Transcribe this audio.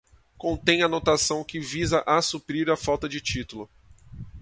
contêm anotação que visa a suprir a falta de título